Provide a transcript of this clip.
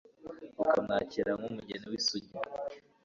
bukamwakira nk'umugeni w'isugi